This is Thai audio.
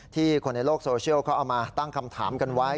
คนในโลกโซเชียลเขาเอามาตั้งคำถามกันไว้